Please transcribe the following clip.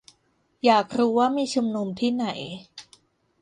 อยากรู้ว่ามีชุมนุมที่ไหน